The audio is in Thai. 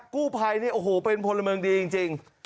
กู้ภัยเนี่ยโอ้โหเป็นพลเมืองดีจริง